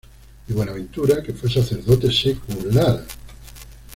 Y Buenaventura que fue sacerdote secular.